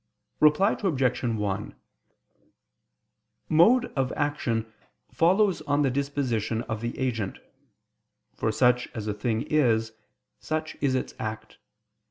Reply Obj. 1: Mode of action follows on the disposition of the agent: for such as a thing is, such is its act.